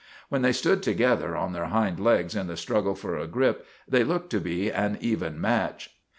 When they stood together on their hind legs in the struggle for a grip they looked to be an even match.